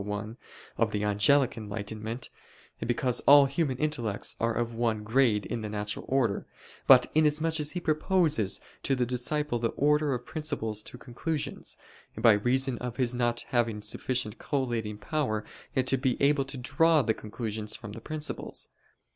1) of the angelic enlightenment, because all human intellects are of one grade in the natural order; but inasmuch as he proposes to the disciple the order of principles to conclusions, by reason of his not having sufficient collating power to be able to draw the conclusions from the principles.